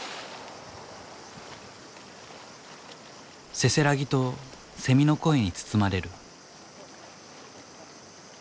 せせらぎとセミの声に包まれる。